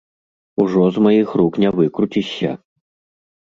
Ужо з маіх рук не выкруцішся!